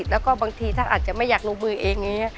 แล้วก็บางทีท่านอาจจะไม่อยากลงมือเองอย่างนี้